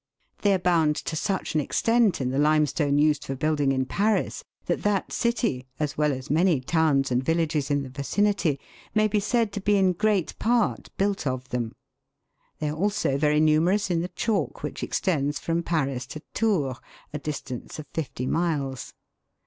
They abound to such an extent in the limestone used for * Latin, foramen, a hole. 140 THE WORLD'S LUMBER ROOM. building in Paris, that that city, as well as many towns and villages in the vicinity, may be said to be in great part built of them. They are also very numerous in the chalk which extends from Paris to Tours, a distance of fifty miles.